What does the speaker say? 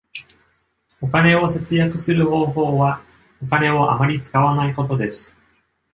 お金を節約する方法は、お金をあまり使わないことです。